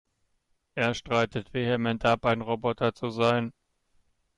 Er streitet vehement ab, ein Roboter zu sein.